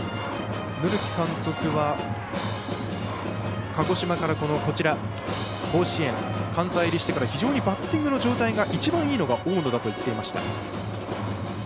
塗木監督は鹿児島から甲子園関西入りしてから非常にバッティングの状態が一番いいのが大野だと言っていました。